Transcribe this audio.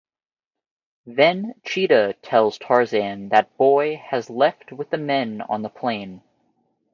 Then Cheeta tells Tarzan that Boy has left with the men on the plane.